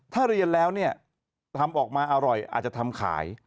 ถ้าเรียนแล้วเนี่ยทำออกมาอร่อยอาจจะทำขาย